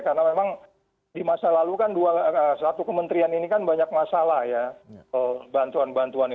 karena memang di masa lalu kan satu kementerian ini kan banyak masalah ya bantuan bantuan itu